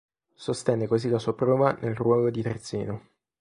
Sostenne così la sua prova nel ruolo di terzino.